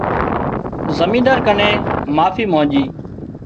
زمينۮار ڪنين معافي مانڄي